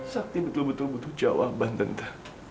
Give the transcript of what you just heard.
sakti betul betul butuh jawaban tentang